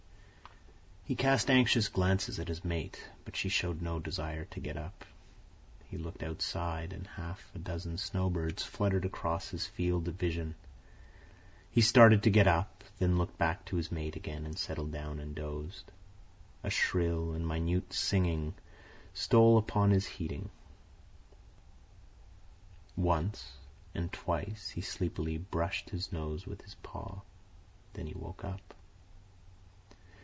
He cast anxious glances at his mate, but she showed no desire to get up. He looked outside, and half a dozen snow birds fluttered across his field of vision. He started to get up, then looked back to his mate again, and settled down and dozed. A shrill and minute singing stole upon his hearing. Once, and twice, he sleepily brushed his nose with his paw. Then he woke up.